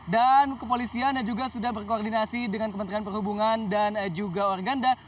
dan kepolisian juga sudah berkoordinasi dengan kementerian perhubungan dan juga organda